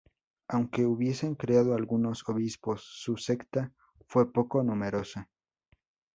Aunque hubiesen creado algunos obispos, su secta fue poco numerosa.